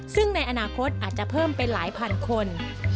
ซึ่งในอนาคตอาจจะเพิ่มเป็นหลายพันคน